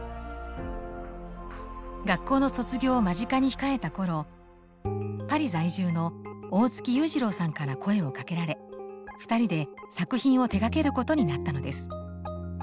学校の卒業を間近に控えた頃パリ在住の大月雄二郎さんから声をかけられ２人で作品を手がけることになったのです。